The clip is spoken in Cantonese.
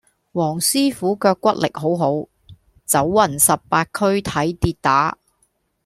黃師傅腳骨力好好，走勻十八區睇跌打